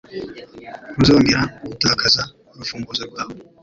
ntuzongera gutakaza urufunguzo rwawe